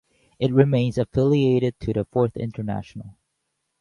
It remains affiliated to the Fourth International.